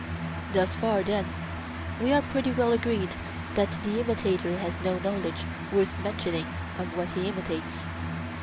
Thus far then we are pretty well agreed that the imitator has no knowledge worth mentioning of what he imitates.